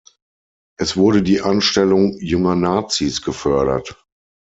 Es wurde die Anstellung junger Nazis gefördert.